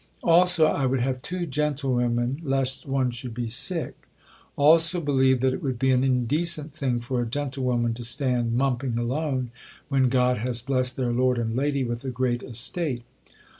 Also, I would have two gentlewomen, lest one should be sick; also, believe that it would be an indecent thing for a gentlewoman to stand mumping alone, when God has blest their Lord and Lady with a great estate.